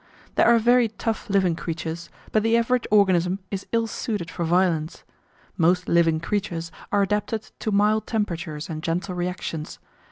There are very tough living creatures, but the average organism is ill suited for violence. Most living creatures are adapted to mild temperatures and gentle reactions.